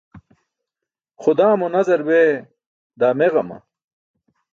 Xudaa mo nazar bee, daa meġama.